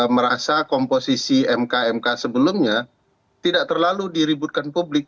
merasa komposisi mk mk sebelumnya tidak terlalu diributkan publik